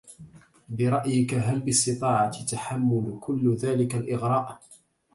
برأيِكَ هل باستطاعتي تحمّل كل ذلك الإغراء؟